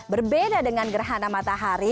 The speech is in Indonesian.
berbeda dengan gerhana matahari